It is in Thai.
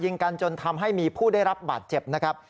กันจนทำให้มีผู้ได้รับบาดเจ็บนะครับ